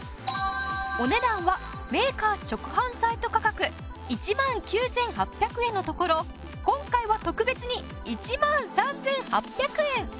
お値段はメーカー直販サイト価格１万９８００円のところ今回は特別に１万３８００円。